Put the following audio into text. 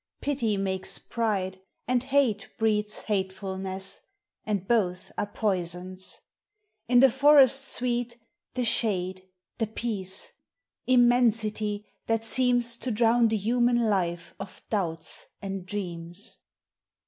Pity makes pride, and hate breeds hatefulness, And both are poisons. In the forest sweet TREES: FLOWERS: PLAXTS. 235 rhe shade, the peace! Immensity, thai seems ro drown the human life of doubts and dreams.